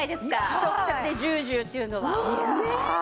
食卓でジュージューっていうのは。